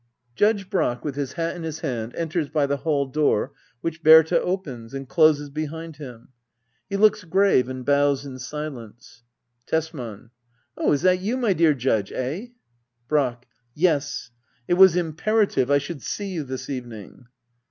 Judge Brack, with his hat in his hand, enters hy the hall door, which Berta opens, and closes behind him. He looks grave and hows in silence, Tesman. Oh, is that you, my dear Judge ? Eh ? Brack. Yes, It was imperative I should see you this evening.